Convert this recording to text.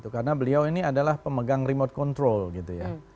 karena beliau ini adalah pemegang remote control gitu ya